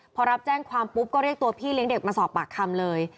พอรับแจ้งความปุ๊บก็เรียกตัวพี่เลี้ยงเด็กมาสอบปากคำเลย